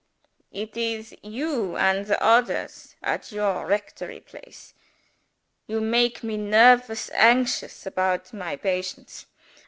It is You and the odders at your rectory place. You make me nervous anxious about my patients.